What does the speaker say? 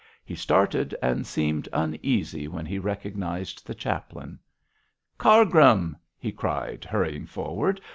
He started and seemed uneasy when he recognised the chaplain. 'Cargrim!' he cried, hurrying forward.